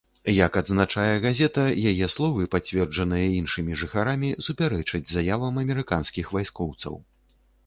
Як адзначае газета, яе словы, пацверджаныя іншымі жыхарамі, супярэчаць заявам амерыканскіх вайскоўцаў.